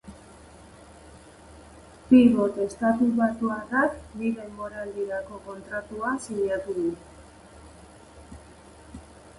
Pibot estatubatuarrak bi denboraldirako kontratua sinatu du.